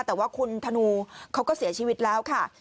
แต่ว่าคุณธนูเขาก็เสียชีวิตแล้วค่ะ